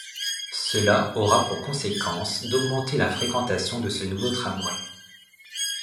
Cela aura pour conséquence d'augmenter la fréquentation de ce nouveau tramway.